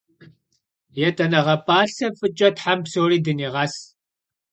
Yêt'eneğe p'alhe f'ıç'e them psori dıniğes!